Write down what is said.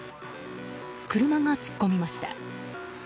車が突っ込みました。